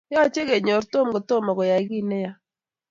yache kenyoru tom kotomo koyai kei ne yaa